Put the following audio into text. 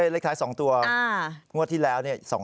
เลขท้าย๒ตัวงวดที่แล้ว